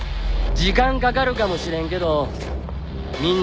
時間かかるかもしれんけどみんなもいずれわかる。